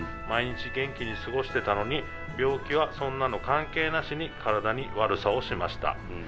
毎日元気に過ごしてたのに病気はそんなの関係なしに体に悪さをしました。